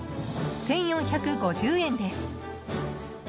１４５０円です。